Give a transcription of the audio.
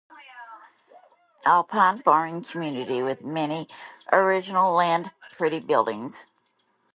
Alpine farming community with many originaland pretty buildings.